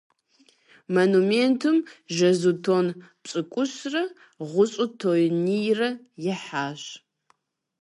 Монументым жэзу тонн пщыкӏущрэ, гъущӀу тоннийрэ ихьащ.